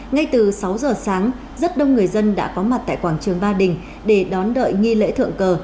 ngay từ sáu giờ sáng rất đông người dân đã có mặt tại quảng trường ba đình để đón đợi nghi lễ thượng cờ